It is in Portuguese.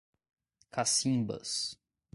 Cacimbas